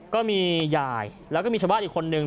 ก็มียายแล้วก็มีชาวบ้านอีกคนนึง